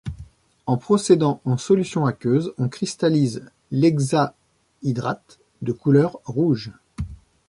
En procédant en solution aqueuse, on cristallise l'hexahydrate, de couleur rouge.